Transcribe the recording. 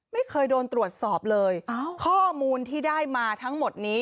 ไม่เคยโดนตรวจสอบเลยข้อมูลที่ได้มาทั้งหมดนี้